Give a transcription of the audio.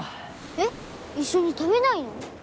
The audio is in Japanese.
えっ一緒に食べないの？